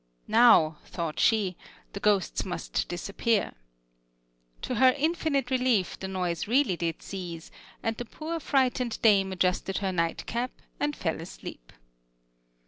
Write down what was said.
"Now," thought she, "the ghosts must disappear." To her infinite relief, the noise really did cease, and the poor frightened dame adjusted her nightcap and fell asleep.